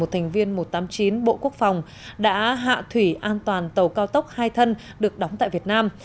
thành viên một trăm tám mươi chín bộ quốc phòng đã hạ thủy an toàn tàu cao tốc hai thân được đóng tại việt nam